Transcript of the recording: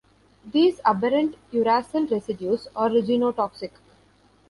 These aberrant uracil residues are genotoxic.